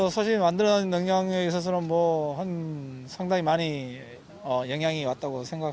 sebenarnya membuat kemampuan ini sangat banyak